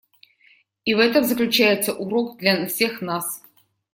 И в этом заключается урок для всех нас.